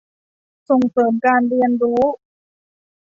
ส่งเสริมการเรียนรู้